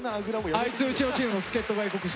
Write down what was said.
あいつうちのチームの助っと外国人。